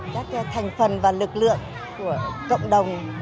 các thành phần và lực lượng của cộng đồng